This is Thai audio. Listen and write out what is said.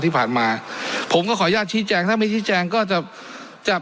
ที่ผ่านมาผมก็ขออนุญาตชี้แจงถ้าไม่ชี้แจงก็จะจับ